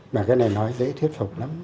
mà cái này nói dễ thuyết phục lắm